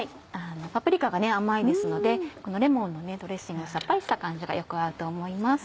パプリカが甘いですのでこのレモンのドレッシングのさっぱりした感じがよく合うと思います。